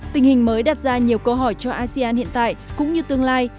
tình hình mới đặt ra nhiều câu hỏi cho asean hiện tại cũng như tương lai